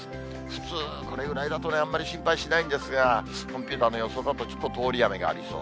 普通、これぐらいだとあんまり心配しないんですが、コンピューターの予想だとちょっと通り雨がありそう。